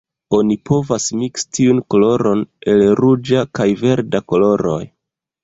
Oni povas miksi tiun koloron el ruĝa kaj verda koloroj.